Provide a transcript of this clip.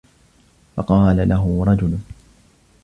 فَقَالَ لَهُ رَجُلٌ